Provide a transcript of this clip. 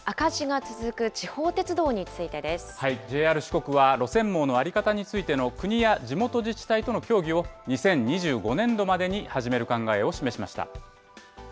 ＪＲ四国は、路線網の在り方についての国や地元自治体との協議を、２０２５年度までに始める考えを示しました。